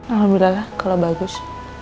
alhamdulillah kalau bagus